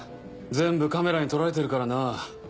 全部カメラに撮られてるからなぁ。